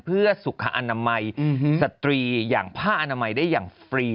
เพื่อสุขอนามัยสตรีอย่างผ้าอนามัยได้อย่างฟรี